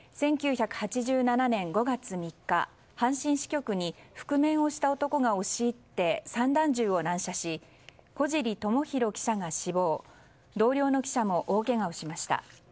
１９８７年５月３日阪神支局に覆面をした男が押し入って散弾銃を乱射し小尻知博記者が死亡同僚の記者も大けがをしました。